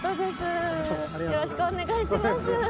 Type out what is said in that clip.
よろしくお願いします